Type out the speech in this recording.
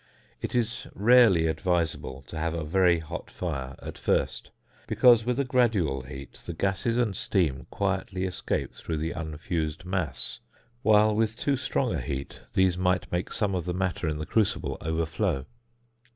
It is rarely advisable to have a very hot fire at first, because with a gradual heat the gases and steam quietly escape through the unfused mass, while with too strong a heat these might make some of the matter in the crucible overflow.